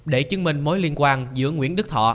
để chứng minh mối liên quan giữa nguyễn đức thọ